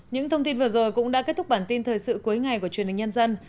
những thông tin vừa rồi cũng đã kết thúc bản tin thời sự cuối ngày của truyền hình nhân dân